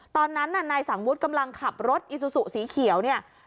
ตอนนั้นนายสังวุฒิกำลังขับรถอีซูซุสีเขียว